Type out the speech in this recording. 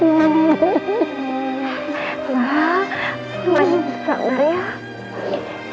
mbak masih bisa mbak naya